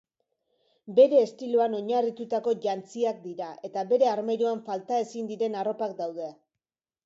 Bere estiloan oinarritutako jantziak dira eta bere armairuan falta ezin diren arropak daude.